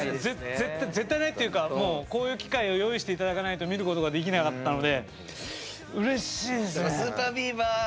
絶対ないっていうかもうこういう機会を用意して頂かないと見ることができなかったのでうれしいですね！